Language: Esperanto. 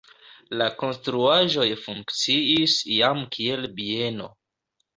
La konstruaĵoj funkciis iam kiel bieno.